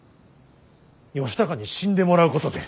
義高に死んでもらうことで。